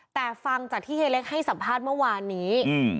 แต่ฟังจากที่เฮเล็กให้สัมภาษณ์เมื่อวานนี้